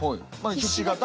ひし形？